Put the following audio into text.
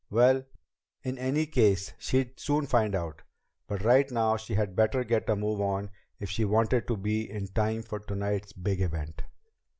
Well, in any case, she'd soon find out. But right now she had better get a move on if she wanted to be in time for tonight's big event.